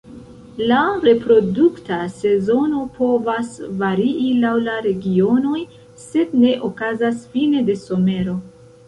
La reprodukta sezono povas varii laŭ la regionoj sed ne okazas fine de somero.